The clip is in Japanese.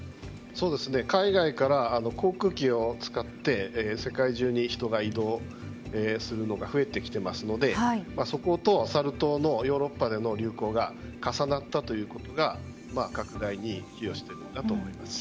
海外から航空機を使って世界中に人が移動するのが増えてきていますのでそこと、サル痘のヨーロッパでの流行が重なったということが拡大に寄与しているんだと思います。